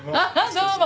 どうも。